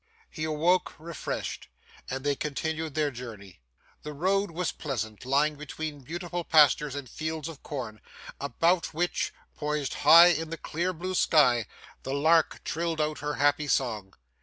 He awoke refreshed, and they continued their journey. The road was pleasant, lying between beautiful pastures and fields of corn, about which, poised high in the clear blue sky, the lark trilled out her happy song.